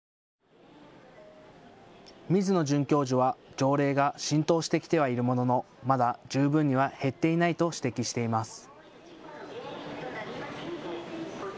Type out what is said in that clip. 水野准教授は条例が浸透してきてはいるもののまだ十分には減っていないと指摘しています。